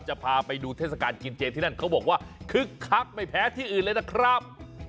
จะพาไปดูเทศกาลกินเจที่นั่นเขาบอกว่าคึกคักไม่แพ้ที่อื่นเลยนะครับ